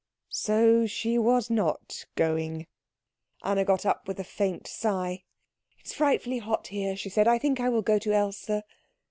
So she was not going. Anna got up with a faint sigh. "It is frightfully hot here," she said; "I think I will go to Else."